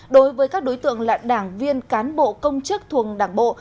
đối với các đối tượng là đảng viên cán bộ công chức thuồng đảng bộ